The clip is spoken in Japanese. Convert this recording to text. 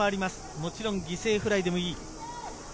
もちろん犠牲フライでもいい。